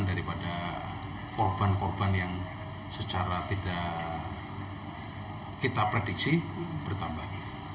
daripada korban korban yang secara tidak kita prediksi bertambah